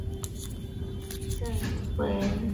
朕未闻诸臣以善恶直奏斯断人也！